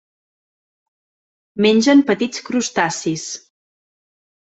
Mengen petits crustacis.